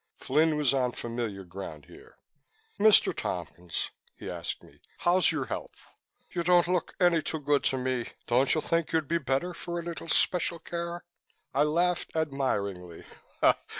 Flynn was on familiar ground here. "Mr. Tompkins," he asked me. "How's your health? You don't look any too good to me. Don't you think you'd be better for a little special care?" I laughed admiringly.